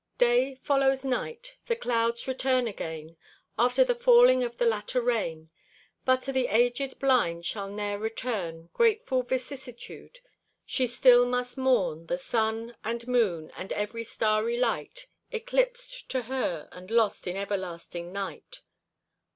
"Day follows night. The clouds return again After the falling of the latter rain; But to the aged blind shall ne'er return Grateful vicissitude: She still must mourn The sun, and moon, and every starry light, Eclipsed to her, and lost in everlasting night."